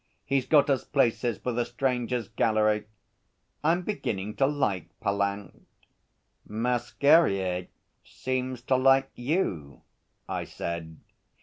He's got us places for the Strangers' Gallery. I'm beginning to like Pallant.' 'Masquerier seems to like you,' I said.